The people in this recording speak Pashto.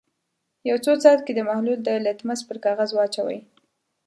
یو څو څاڅکي د محلول د لتمس پر کاغذ واچوئ.